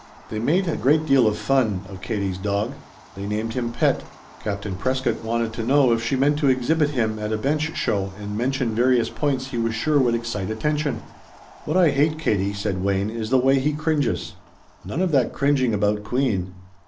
They made a great deal of fun of Katie's dog. They named him "Pet." Captain Prescott wanted to know if she meant to exhibit him at a bench show and mention various points he was sure would excite attention. "What I hate, Katie," said Wayne, "is the way he cringes. None of that cringing about Queen."